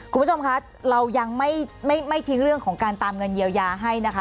คุณผู้ชมคะเรายังไม่ทิ้งเรื่องของการตามเงินเยียวยาให้นะคะ